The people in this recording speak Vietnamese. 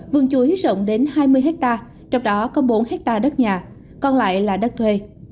vườn chuối rộng đến hai mươi ha trong đó có bốn ha đất nhà còn lại là đất thuê